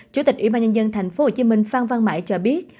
chủ tịch ủy ban nhân dân tp hcm phan văn mãi cho biết